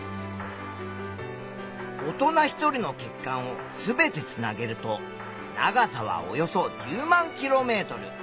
大人１人の血管を全てつなげると長さはおよそ１０万ｋｍ。